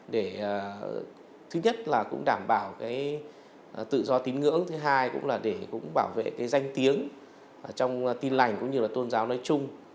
để thứ nhất là cũng đảm bảo cái tự do tín ngưỡng thứ hai cũng là để cũng bảo vệ cái danh tiếng trong tin lành cũng như là tôn giáo nói chung